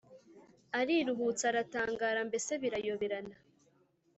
Ariruhutsa aratangara, mbese birayoberana